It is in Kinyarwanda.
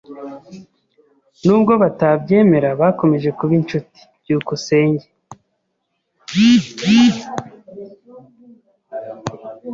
Nubwo batabyemera, bakomeje kuba inshuti. byukusenge